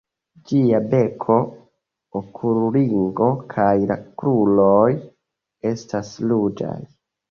Ĝia beko, okulringo kaj la kruroj estas ruĝaj.